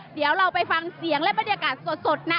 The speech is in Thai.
เดี๋ยวเราไปฟังเสียงและบรรยากาศสดนะ